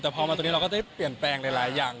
แต่พอมาตรงนี้เราก็ได้เปลี่ยนแปลงหลายอย่าง